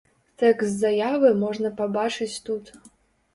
Тэкст заявы можна пабачыць тут.